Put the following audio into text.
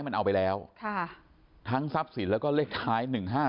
มันเอาไปแล้วทั้งทรัพย์สินแล้วก็เลขท้าย๑๕๗